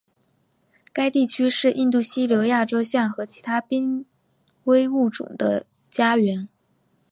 该地区是印度犀牛亚洲象和其他濒危物种的家园。